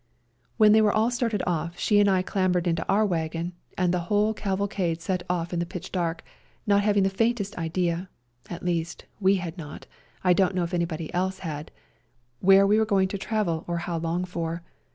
When they were all started off, she and I clambered into our wagon, and the whole cavalcade set off in the pitch dark, not having the faintest idea (at least, we had not, I don't know if anybody else had) where we were going to travel to or how long for.